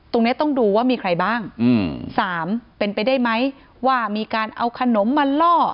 เนี้ยต้องดูว่ามีใครบ้างอืมสามเป็นไปได้ไหมว่ามีการเอาขนมมาล่อ